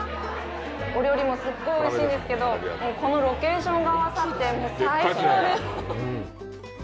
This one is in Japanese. お料理もすごいおいしいんですけどこのロケーションが合わさって最高です。